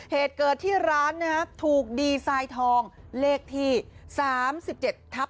เหตุเกิดที่ร้านนะครับถูกดีไซน์ทองเลขที่๓๗ทับ